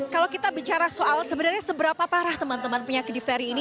kalau kita bicara soal sebenarnya seberapa parah teman teman penyakit difteri ini